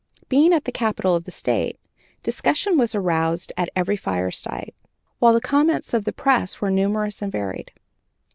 Being at the capital of the State, discussion was aroused at every fireside, while the comments of the press were numerous and varied.